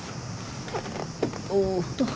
おっと。